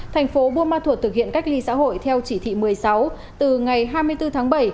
thành phố bumathur thực hiện cách ly xã hội theo chỉ thị một mươi sáu từ ngày hai mươi bốn tháng bảy